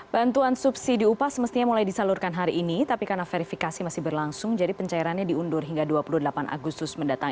bantuan subsidi upah semestinya mulai disalurkan hari ini tapi karena verifikasi masih berlangsung jadi pencairannya diundur hingga dua puluh delapan agustus mendatang